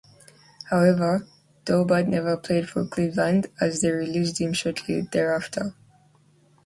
However, Daubert never played for Cleveland as they released him shortly thereafter.